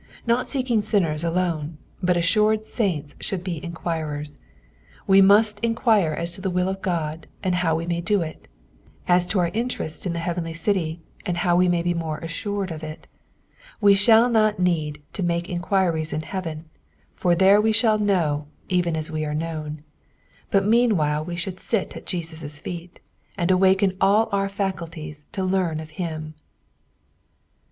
Not seeking sinners alone, but assured saints should be enquirers. We must enquire as to the will of God and how we may do it ; as to our interest in the heavenly city, and how we may be more assured of iti We shall not need to make enquiries in heaven, for tiicre we shall know even as we are known ; but meanwhile we should sit at Jesus' feet, and awaken nil our faculties to learn of him.